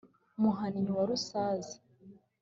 muhanyi wa rusaza